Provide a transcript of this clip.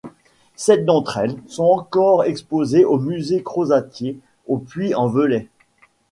Sept d'entre elles sont encore exposées au Musée Crozatier au Puy-en-Velay.